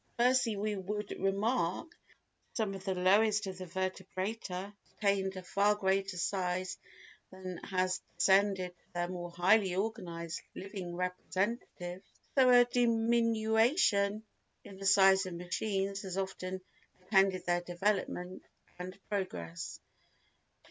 Firstly we would remark that as some of the lowest of the vertebrata attained a far greater size than has descended to their more highly organised living representatives, so a diminution in the size of machines has often attended their development and progress.